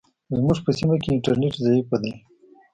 زموږ په سیمه کې انټرنیټ ضعیفه ده.